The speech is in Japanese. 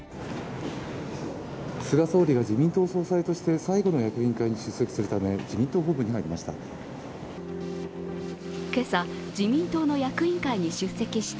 菅総理が自民党総裁として最後の役員会に出席するため自民党本部に入りました。